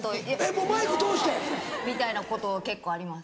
マイク通して？みたいなこと結構あります。